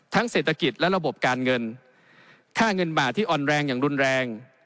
เศรษฐกิจและระบบการเงินค่าเงินบาทที่อ่อนแรงอย่างรุนแรง